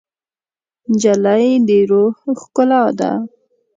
نجلۍ د روح ښکلا ده.